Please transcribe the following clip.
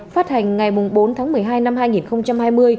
phát hành ngày bốn tháng một mươi hai năm hai nghìn hai mươi